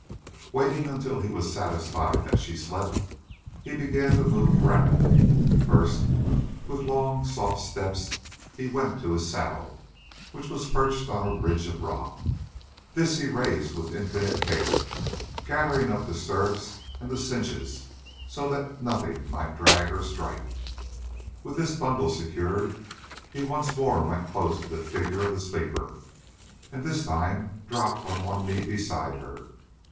Waiting until he was satisfied that she slept, he began to move rapidly. First, with long, soft steps he went to his saddle, which was perched on a ridge of rock. This he raised with infinite care, gathering up the stirrups and the cinches so that nothing might drag or strike. With this bundle secured, he once more went close to the figure of the sleeper and this time dropped on one knee beside her.